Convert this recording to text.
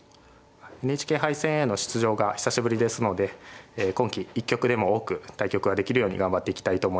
ＮＨＫ杯戦への出場が久しぶりですので今期一局でも多く対局ができるように頑張っていきたいと思います。